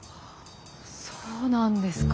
そうなんですか。